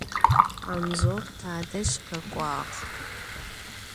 Anzor tadej khek'uağ.